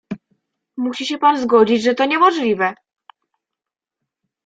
"Musi się pan zgodzić, że to niemożliwe."